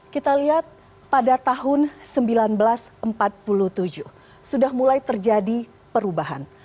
kita lihat pada tahun seribu sembilan ratus empat puluh tujuh sudah mulai terjadi perubahan